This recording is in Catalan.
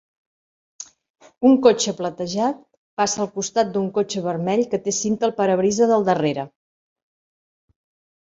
Un cotxe platejat passa al costat d'un cotxe vermell que té cinta al parabrisa del darrere.